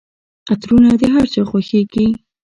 عطرونه د هرچا خوښیږي.